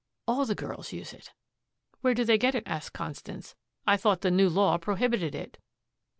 All the girls use it." "Where do they get it?" asked Constance "I thought the new law prohibited it."